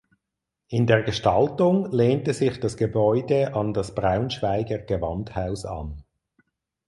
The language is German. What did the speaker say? In der Gestaltung lehnte sich das Gebäude an das Braunschweiger Gewandhaus an.